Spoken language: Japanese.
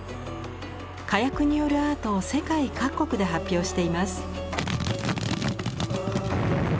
火薬によるアートを世界各国で発表しています。